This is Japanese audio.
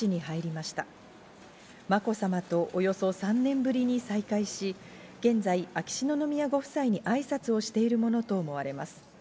まこさまとおよそ３年ぶりに再会し、現在、秋篠宮ご夫妻にあいさつをしているものと思われます。